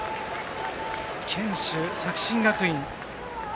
堅守、作新学院。